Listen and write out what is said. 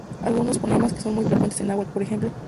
Algunos fonemas que son muy frecuentes en náhuatl —por ejemplo